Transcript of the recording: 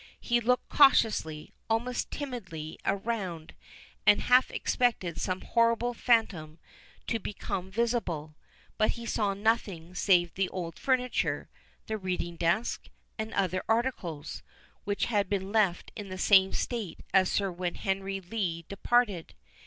He looked cautiously, almost timidly, around, and half expected some horrible phantom to become visible. But he saw nothing save the old furniture, the reading desk, and other articles, which had been left in the same state as when Sir Henry Lee departed.